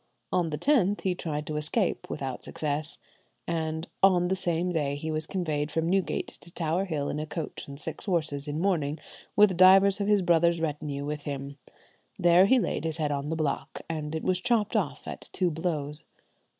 On the 10th he tried to escape, without success, and on the same day he was conveyed from Newgate to Tower Hill in a coach and six horses in mourning, with divers of his brother's retinue with him. There he laid his head on the block, and it was chopped off at two blows.